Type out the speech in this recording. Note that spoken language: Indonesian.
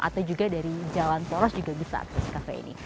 atau juga dari jalan poros juga bisa akses kafe ini